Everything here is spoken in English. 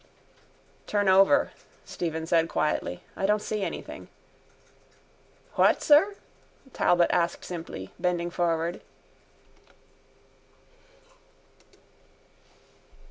_ —Turn over, Stephen said quietly. I don't see anything. —What, sir? Talbot asked simply, bending forward.